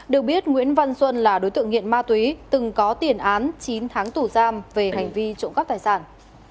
được biết nguyễn văn xuân là đối tượng nghiện ma túy từng có tiền án chín tháng tù giam về hành vi trộm cắp tài sản